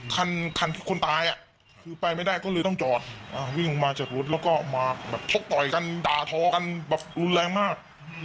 คันคนตายคือไปไม่ได้ก็เลยต้องจอดวิ่งลงมาจากรถแล้วก็มาแบบชกต่อยกันด่าทอกันแบบรุนแรงมาก